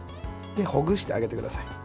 ほぐしてあげてください。